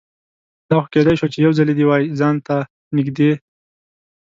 دا خو کیدای شوه چې یوځلې دې وای ځان ته نږدې